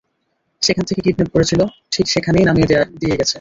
যেখান থেকে কিডন্যাপ করেছিলো, ঠিক সেখানেই নামিয়ে দিয়ে গেছে।